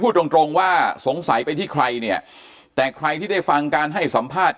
ตรงตรงว่าสงสัยไปที่ใครเนี่ยแต่ใครที่ได้ฟังการให้สัมภาษณ์